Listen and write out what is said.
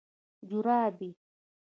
🧦جورابي